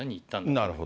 なるほど。